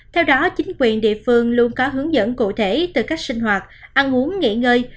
theo đó chính quyền địa phương luôn có hướng dẫn cụ thể từ cách sinh hoạt ăn uống nghỉ ngơi